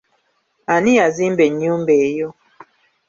Ani yazimba ennyumba eyo?